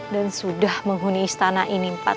dan sudah menghuni istana ini